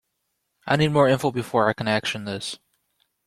I need more info before I can action this.